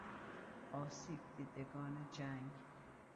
آسیب دیدگان جنگ